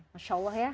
masya allah ya